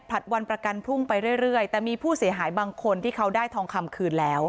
วันประกันพรุ่งไปเรื่อยแต่มีผู้เสียหายบางคนที่เขาได้ทองคำคืนแล้ว